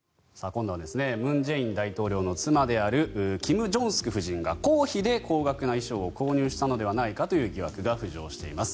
今度は文在寅大統領の妻であるキム・ジョンスク夫人が公費で高額な衣装を購入したのではないかという疑惑が浮上しています。